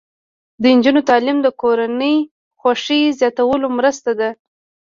د نجونو تعلیم د کورنۍ خوښۍ زیاتولو مرسته ده.